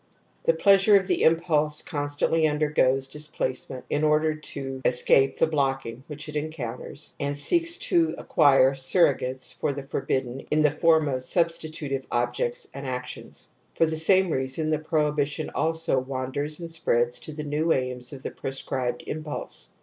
( The pleasure of the impulse constantly undergoes displace ment in order to escape the blocking which it encoimters and seeks to acquire surrogates for the forbidden in the form of substitutive objects and actions. ^For the same reason the prohibi tion also wanaers and spreads to the new aims of the proscribed impulse.